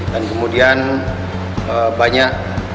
dan kemudian banyak mengajar kepada para siswa yang belajar di budiq sabara